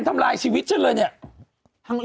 ทำลายชีวิตฉันเลยเนี่ย